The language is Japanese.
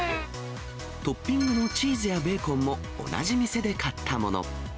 トッピングのチーズやベーコンも、同じ店で買ったもの。